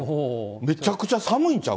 めちゃくちゃ寒いんちゃう？